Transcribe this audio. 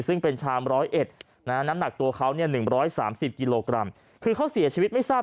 ซึ่งเป็นชาม๑๐๑นะน้ำหนักตัวเขาเนี่ย๑๓๐กิโลกรัมคือเขาเสียชีวิตไม่ทราบ